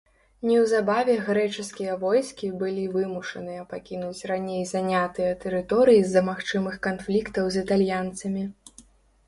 Неўзабаве грэчаскія войскі былі вымушаныя пакінуць раней занятыя тэрыторыі з-за магчымых канфліктаў з італьянцамі.